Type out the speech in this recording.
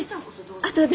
あとで。